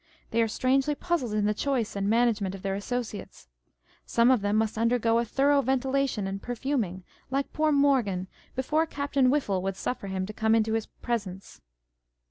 They are strangely puzzled in the choice and management of their associates. Some of them must undergo a thorough ventilation and perfuming, like poor Morgan, before Captain Whiffle would suffer him .to come into his presence.